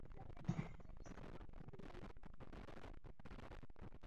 保大十四年十二月七日。